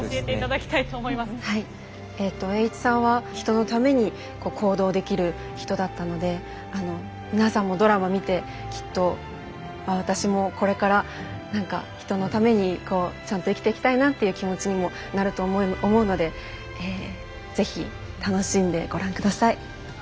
はい栄一さんは人のために行動できる人だったので皆さんもドラマ見てきっとあっ私もこれから何か人のためにこうちゃんと生きていきたいなっていう気持ちにもなると思うので是非楽しんでご覧ください。